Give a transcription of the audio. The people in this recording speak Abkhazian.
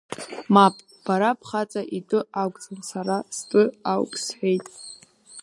Мап, бара бхаҵа итәы акәӡам, сара стәы ауп сҳәеит.